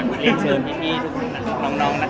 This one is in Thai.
ความคลุกก็จะมีปัญหา